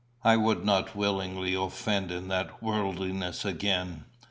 I would not willingly offend in that worldliness again.